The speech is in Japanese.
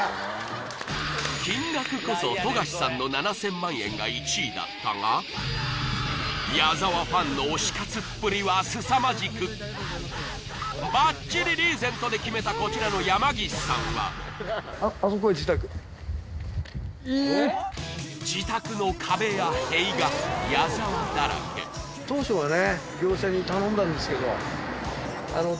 金額こそ富樫さんの７０００万円が１位だったが矢沢ファンの推し活っぷりはすさまじくバッチリリーゼントできめたこちらの山岸さんは自宅の壁や塀がいやすごいですね